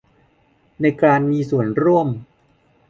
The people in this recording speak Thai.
ในการมีส่วนร่วม